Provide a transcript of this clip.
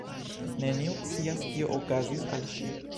Neniu scias kio okazis al ŝi